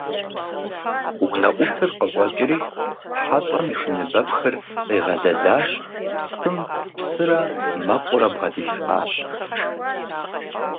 Унэӏутыр къыщӀэкӀри хьэщӏэм и шыныбэпхыр къигъэлэлащ, шым псырэ мэкъурэ бгъэдилъхьащ.